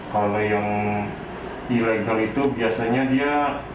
kalau yang ilegal itu biasanya dia